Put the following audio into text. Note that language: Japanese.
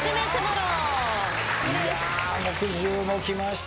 木１０もきました。